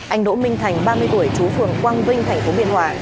anh đỗ minh thành ba mươi tuổi chú phường quang vinh thành phố biên hòa